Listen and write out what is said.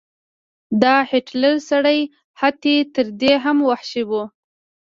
دا هټلر سړی حتی تر دې هم وحشي و.